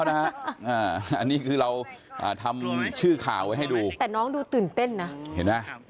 อันนี้คือเราทำชื่อข่าวไว้ให้ดูแต่น้องดูตื่นเต้นนะเห็นไหม